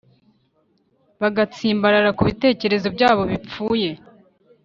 bagatsimbarara ku bitekerezo byabo bipfuye